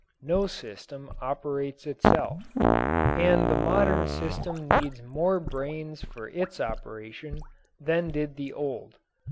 No system operates itself. And the modern system needs more brains for its operation than did the old.